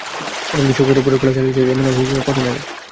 বরং বিশ্বকাপের পরেও খেলা চালিয়ে যাবেন, এমন আভাসই দিয়েছিলেন কদিন আগে।